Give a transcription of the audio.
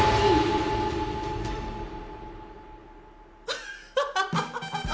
アッハハハハハッ！